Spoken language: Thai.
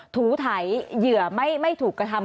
ถูไถเหยื่อไม่ถูกกระทำ